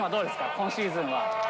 今シーズンは。